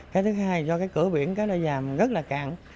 cái thứ hai do cái cửa biển cá đa dàm rất là cạn